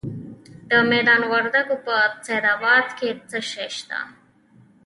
د میدان وردګو په سید اباد کې څه شی شته؟